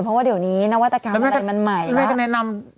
เพราะว่าเดี๋ยวนี้นวัตการณ์อะไรมันใหม่